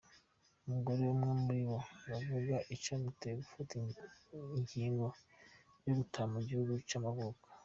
Umugore umwe muribo aravuga icatumye bafata ingingo yo gutaha mu gihugu c'amavuko.